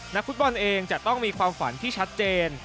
นักฟุตบอลเองจะต้องมีความฝันที่ชัดเจน